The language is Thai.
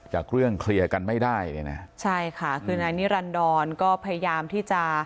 จากเรื่องเคลียร์กันไม่ได้เนี่ยนะใช่ค่ะคือนายนิรันดรก็พยายามที่จะ